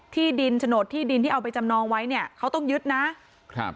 ที่ดินโฉนดที่ดินที่เอาไปจำนองไว้เนี่ยเขาต้องยึดนะครับ